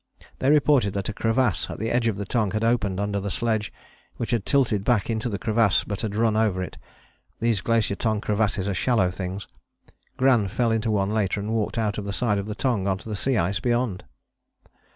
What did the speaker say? They reported that a crevasse at the edge of the Tongue had opened under the sledge, which had tilted back into the crevasse but had run over it. These Glacier Tongue crevasses are shallow things; Gran fell into one later and walked out of the side of the Tongue on to the sea ice beyond!